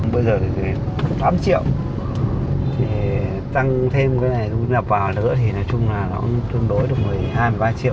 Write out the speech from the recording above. bây giờ thì tám triệu tăng thêm cái này thu nhập vào nữa thì nói chung là nó cũng tương đối được với hai mươi ba triệu